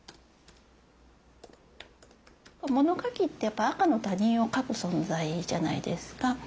物書きってやっぱ赤の他人を書く存在じゃないですか。